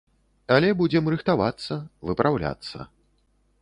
Але будзем рыхтавацца, выпраўляцца.